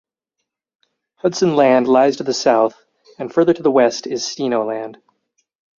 Hudson Land lies to the south and further to the west is Steno Land.